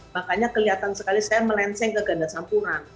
makanya kelihatan sekali saya melenceng ke ganda sampuran